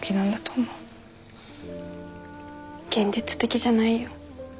現実的じゃないよ。